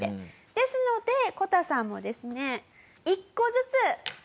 ですのでこたさんもですね。